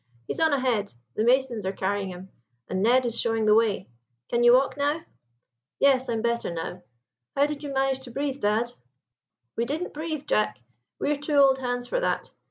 He's on ahead; the masons are carrying him, and Ned is showing the way. Can you walk now?" "Yes, I'm better now. How did you manage to breathe, dad?" "We didn't breathe, Jack; we're too old hands for that.